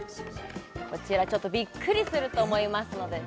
こちらちょっとびっくりすると思いますのでね